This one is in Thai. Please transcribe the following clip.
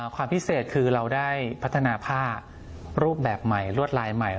ความพิเศษคือเราได้พัฒนาผ้ารูปแบบใหม่ลวดลายใหม่